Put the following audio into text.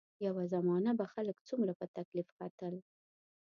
یوه زمانه به خلک څومره په تکلیف ختل.